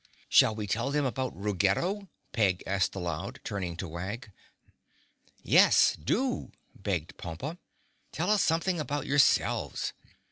"Shall we tell them about Ruggedo?" Peg asked aloud, turning to Wag. "Yes, do!" begged Pompa. "Tell us something about yourselves.